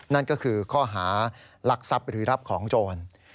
นั่นก็คือข้อหารักทรัพย์หรือรับของโจร